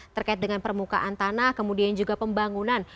terkait dengan permukaan tanah kemudian juga pembangunan